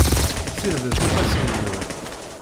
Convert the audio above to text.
Sirdet ifassen-nwen.